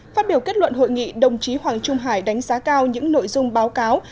phát biểu kết luận hội nghị đồng chí hoàng trung hải đánh giá cao những nội dung báo cáo